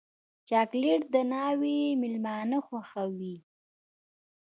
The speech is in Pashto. چاکلېټ د ناوې مېلمانه خوښوي.